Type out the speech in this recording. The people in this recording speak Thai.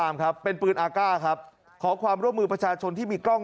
ไม่พูดแบบนี้